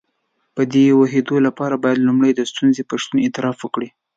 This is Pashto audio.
په دې د پوهېدو لپاره بايد لومړی د ستونزې په شتون اعتراف وکړئ.